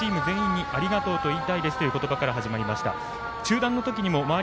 選手全員チーム全員にありがとうと言いたいという言葉から始まりました。